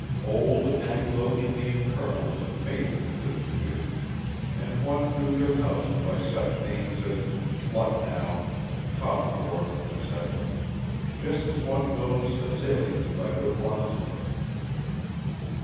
Old Anglo Indian colonels and majors lived here, and one knew their houses by such names as "Lucknow," "Cawnpore," etc., just as one knows azaleas by their blossoms.